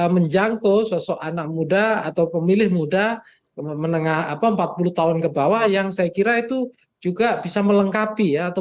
menjangkau sosok anak muda atau pemilih muda menengah apa empat puluh tahun ke bawah yang saya kira itu juga bisa melengkapi ya atau